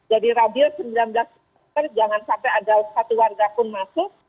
jadi radio sembilan belas jam jangan sampai ada satu warga pun masuk